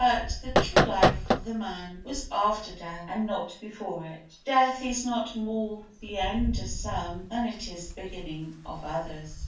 But the true life of the man was after death and not before it. Death is not more the end of some than it is the beginning of others.